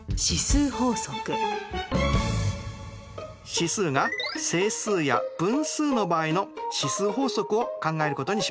指数が整数や分数の場合の指数法則を考えることにしましょう。